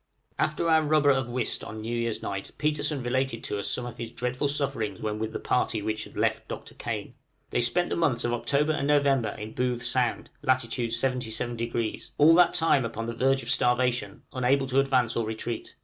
After our rubber of whist on New Year's night Petersen related to us some of his dreadful sufferings when with the party which had left Dr. Kane. They spent the months of October and November in Booth Sound, lat. 77°; all that time upon the verge of starvation, unable to advance or retreat.